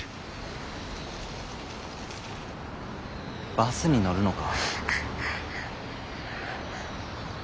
バスに乗るのか。